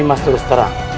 nimas terus terang